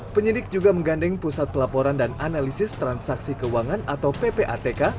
penyidik juga menggandeng pusat pelaporan dan analisis transaksi keuangan atau ppatk